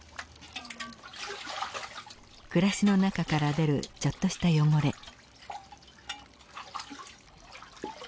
暮らしの中から出るちょっとした汚れ。